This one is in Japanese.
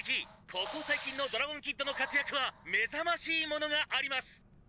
ここ最近のドラゴンキッドの活躍は目覚ましいものがあります！」